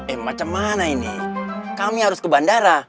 eh macam mana ini kami harus ke bandara